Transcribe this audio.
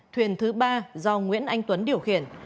thuyền thứ ba do nguyễn anh tuấn điều khiển